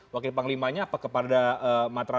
wakil panglimanya apa kepada matra